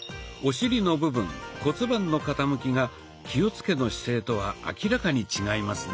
お尻の部分骨盤の傾きが気をつけの姿勢とは明らかに違いますね。